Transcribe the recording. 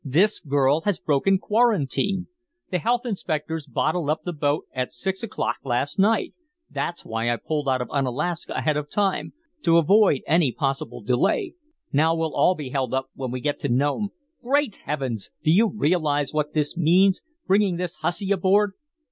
This girl has broken quarantine. The health inspectors bottled up the boat at six o'clock last night! That's why I pulled out of Unalaska ahead of time, to avoid any possible delay. Now we'll all be held up when we get to Nome. Great Heavens! do you realize what this means bringing this hussy aboard?"